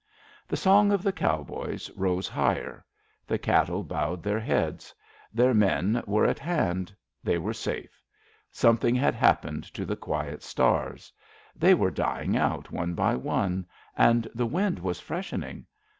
The song of the cowboys rose higher. The cattle bowed their heads. Their men were at hand. They were safe. Something had hap pened to the quiet stars. They were dying out one by one, and the wind was freshening.